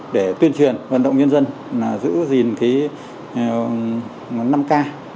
để tuyên truyền vận động nhân dân giữ gìn cái năm k